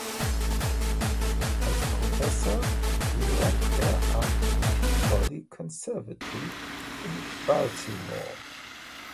Als Professor lehrt er am Peabody Conservatory in Baltimore.